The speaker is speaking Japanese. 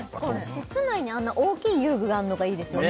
室内にあんな大きい遊具があるのがいいですよね